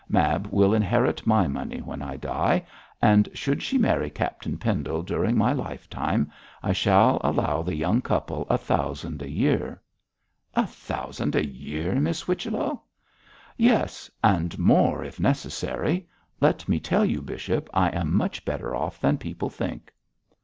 Mab will inherit my money when I die; and should she marry Captain Pendle during my lifetime, I shall allow the young couple a thousand a year.' 'A thousand a year, Miss Whichello!' 'Yes! and more if necessary. Let me tell you, bishop, I am much better off than people think.'